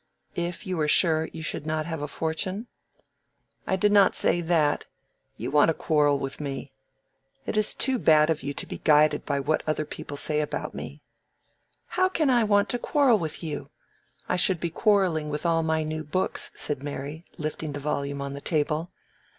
"If you were sure you should not have a fortune?" "I did not say that. You want to quarrel with me. It is too bad of you to be guided by what other people say about me." "How can I want to quarrel with you? I should be quarrelling with all my new books," said Mary, lifting the volume on the table.